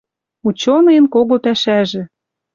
Ученыйын кого пӓшӓжӹ...»